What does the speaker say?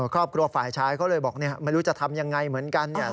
ครอบครัวฝ่ายชายเขาเลยบอกไม่รู้จะทำยังไงเหมือนกัน